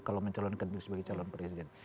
kalau mencalonkan diri sebagai calon presiden